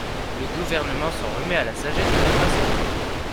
Le Gouvernement s’en remet à la sagesse de votre assemblée.